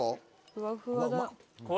ふわふわだ。